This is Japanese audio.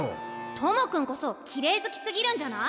友くんこそきれい好きすぎるんじゃない？